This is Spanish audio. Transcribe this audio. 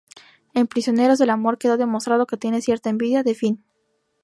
En ""Prisioneros del Amor"", quedó demostrado que tiene cierta envidia de Finn.